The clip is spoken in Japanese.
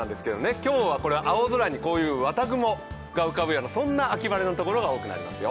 今日は青空にこういう綿雲が浮かぶような、そんな秋晴れの所が多くなりますよ。